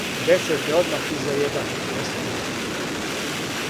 Десет је одмах иза један. Десно доле.